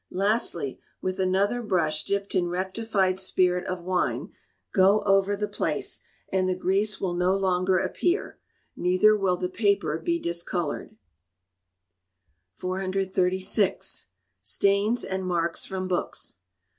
Lastly, with another brush dipped in rectified spirit of wine, go over the place, and the grease will no longer appear, neither will the paper be discoloured. 436. Stains and Marks from Books.